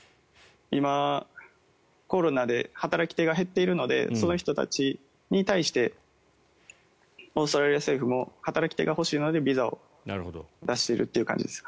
今、コロナで働き手が減っているのでその人たちに対してオーストラリア政府も働き手が欲しいのでビザを出しているという感じです。